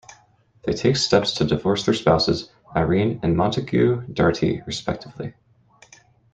They take steps to divorce their spouses, Irene and Montague Dartie respectively.